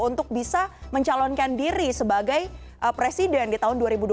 untuk bisa mencalonkan diri sebagai presiden di tahun dua ribu dua puluh